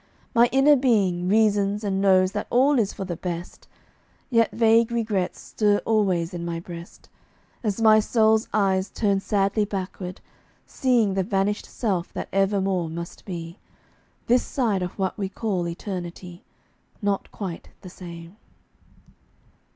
My inner being Reasons and knows that all is for the best. Yet vague regrets stir always in my breast, As my soul's eyes turn sadly backward, seeing The vanished self that evermore must be, This side of what we call eternity, Not quite the same.